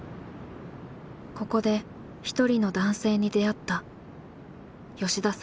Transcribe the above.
ここで一人の男性に出会った。